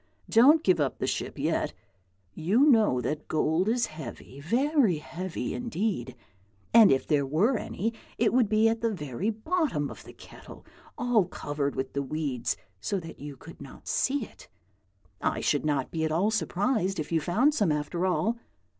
Don't give up the ship yet. You know that gold is heavy, very heavy indeed, and if there were any it would be at the very bottom of the kettle, all covered with the weeds, so that you could not see it. I should not be at all surprised if you found some, after all.